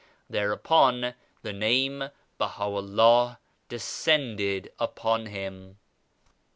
Thereupon the Name BahaVllah descended upon Him."